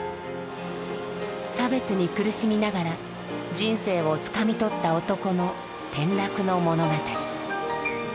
差別に苦しみながら人生をつかみ取った男の転落の物語。